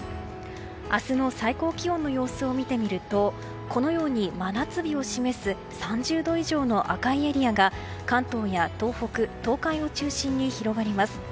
明日の最高気温の様子を見てみるとこのように真夏日を示す３０度以上の赤いエリアが関東や東北、東海を中心に広がります。